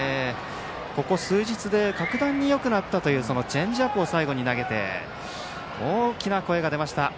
ここ数日で格段によくなったというチェンジアップを最後に投げて大きな声が出ました。